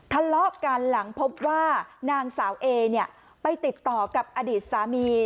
ทะเลาะกันหลังพบว่านางสาวเอเนี่ยไปติดต่อกับอดีตสามี